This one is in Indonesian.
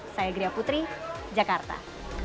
saya gria putri jakarta